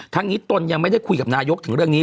ทั้งนี้ตนยังไม่ได้คุยกับนายกถึงเรื่องนี้